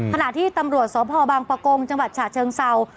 ขณะที่ตำรวจสพบางประกงจังหวัดฉะเชิงเศร้า